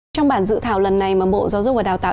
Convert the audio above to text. trong bản dự thảo lần này mà bộ giáo dục và đào tạo